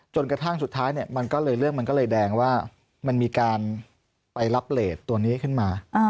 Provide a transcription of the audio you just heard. จนกระทั่งสุดท้ายเนี่ยมันก็เลยเรื่องมันก็เลยแดงว่ามันมีการไปรับเลสตัวนี้ขึ้นมา